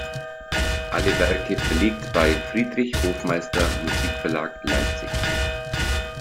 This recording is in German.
Alle Werke verlegt bei Friedrich Hofmeister Musikverlag, Leipzig